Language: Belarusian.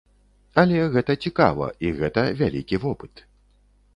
Але гэта цікава і гэта вялікі вопыт.